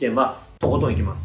とことんいきます。